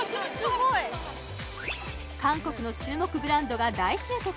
韓国の注目ブランドが大集結